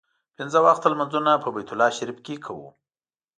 پنځه وخته لمونځونه په بیت الله شریف کې کوو.